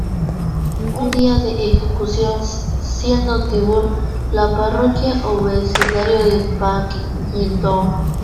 Un día de ejecución, siendo Tyburn la parroquia o vecindario de Paddington.